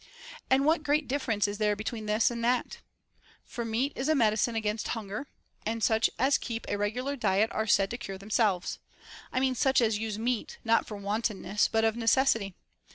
And what great difference is there between this and that ? For meat is a medicine against hunger, and such as keep a regular diet are said to cure themselves, — I mean such as use meat not for wantonness but of necessity.